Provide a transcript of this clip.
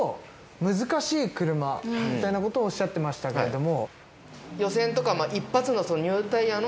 みたいなことをおっしゃってましたけれども。